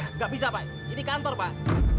tidak bisa pak ini kantor pak